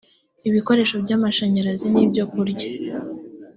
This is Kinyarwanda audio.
ibikoresho by amashanyarazi nibyo kurya